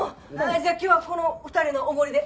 じゃあ今日はこの２人のおごりで。